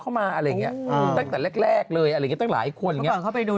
เข้ามาอะไรเงี้ยเอ้าแต่แรกเลยอะไรนี้ตั้งหลายคนเขาไปดู